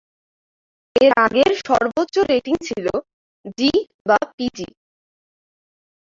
এর আগের সর্বোচ্চ রেটিং ছিলো জি বা পিজি।